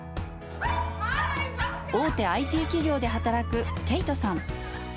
大手ＩＴ企業で働くケイトさん。